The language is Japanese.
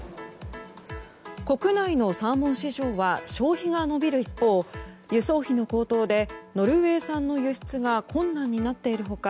国内のサーモン市場は消費が伸びる一方輸送費の高騰でノルウェー産の輸出が困難になっている他